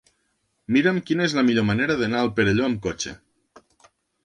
Mira'm quina és la millor manera d'anar al Perelló amb cotxe.